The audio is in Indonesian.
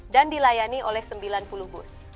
dan dilayani oleh sembilan puluh bus